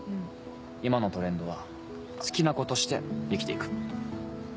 今のトレンドは「好きなことして生きて行く」。